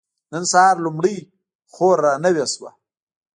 نن سهار لومړۍ خور را نوې شوه.